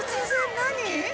何？